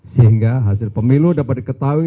sehingga hasil pemilu dapat diketahui